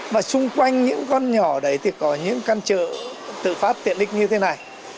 mà xung quanh những con nhỏ đấy thì có những căn chợ tự phát tiện lịch như thế này